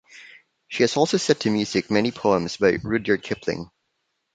She has also set to music many poems by Rudyard Kipling.